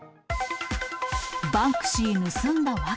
バンクシー盗んだ訳。